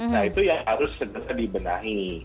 nah itu yang harus segera dibenahi